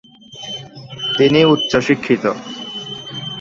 তিনি উচ্চ শিক্ষিত।